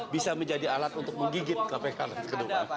bisa menjadi alat untuk menggigit kpk